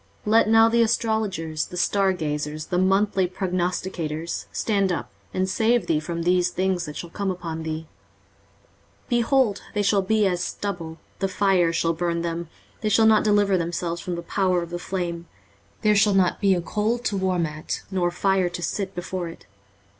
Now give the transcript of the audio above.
Let now the astrologers, the stargazers, the monthly prognosticators, stand up, and save thee from these things that shall come upon thee. 23:047:014 Behold, they shall be as stubble; the fire shall burn them; they shall not deliver themselves from the power of the flame: there shall not be a coal to warm at, nor fire to sit before it.